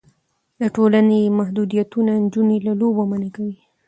د ټولنې محدودیتونه نجونې له لوبو منع کوي.